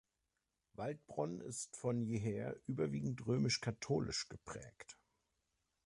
Waldbronn ist von jeher überwiegend römisch-katholisch geprägt.